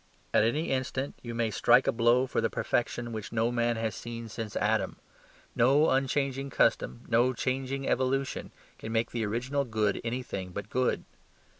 At any instant you may strike a blow for the perfection which no man has seen since Adam. No unchanging custom, no changing evolution can make the original good any thing but good.